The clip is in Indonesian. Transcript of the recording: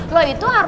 lo itu harus